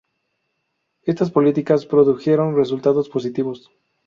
Estas políticas produjeron resultados positivos.